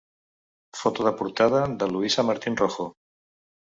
Foto de portada de Luisa Martín Rojo.